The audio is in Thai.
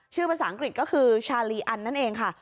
ภาษาอังกฤษก็คือชาลีอันนั่นเองค่ะ